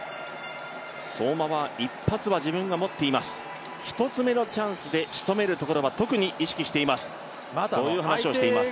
相馬は一発は自分が持っています、一つ目のチャンスで仕留めることは特に意識していますという話をしています。